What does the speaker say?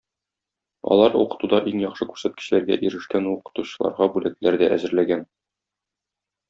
Алар укытуда иң яхшы күрсәткечләргә ирешкән укытучыларга бүләкләр дә әзерләгән.